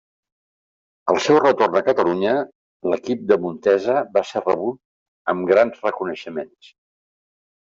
Al seu retorn a Catalunya, l'equip de Montesa va ser rebut amb grans reconeixements.